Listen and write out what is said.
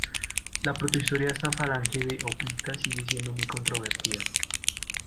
La protohistoria de esta falange de hoplitas sigue siendo muy controvertida.